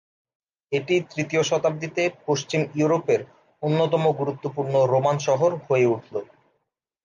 এটি তৃতীয় শতাব্দীতে পশ্চিম ইউরোপের অন্যতম গুরুত্বপূর্ণ রোমান শহর হয়ে উঠল।